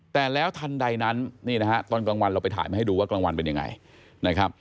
แต่แล้วทันใดนั้นตอนกลางวันเราไปถ่ายมาให้ดูว่ากลางวันเป็นยังไง